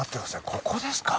ここですか？